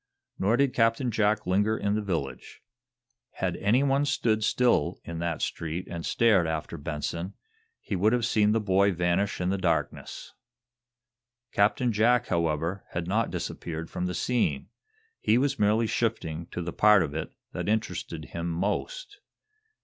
Nor did Captain Jack linger in the village. Had anyone stood still in that street and stared after Benson, he would have seen the boy vanish in the darkness. Captain Jack, however, had not disappeared from the scene. He was merely shifting to the part of it that interested him most.